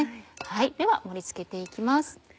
では盛り付けて行きます。